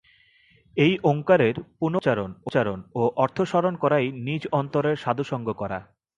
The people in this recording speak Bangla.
এই ওঙ্কারের পুনঃপুন উচ্চারণ ও অর্থ স্মরণ করাই নিজ অন্তরে সাধুসঙ্গ করা।